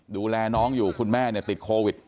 ดูแลน้องอยู่คุณแม่ติดโควิด